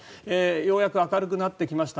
ようやく明るくなってきました。